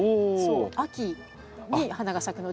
秋に花が咲くので。